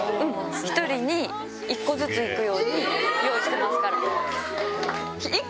１人に１個ずついくよう用意してますから。